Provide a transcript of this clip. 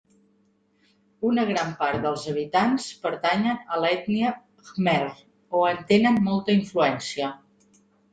Una gran part dels habitants pertanyen a l'ètnia khmer o en tenen molta influència.